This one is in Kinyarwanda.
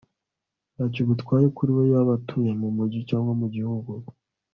ntacyo bitwaye kuri we yaba atuye mu mujyi cyangwa mu gihugu